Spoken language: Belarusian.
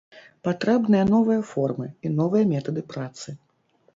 Патрэбныя новыя формы і новыя метады працы.